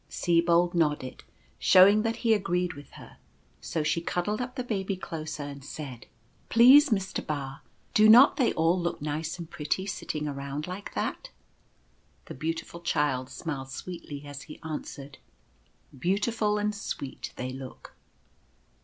Sibold nodded, showing that he agreed with her ; so she cuddled up the Baby closer and said :" Please, Mister Ba, do not they all look nice and pretty sitting around like that ?" The Beautiful Child smiled sweetly as he answered :" Beautiful and sweet they look."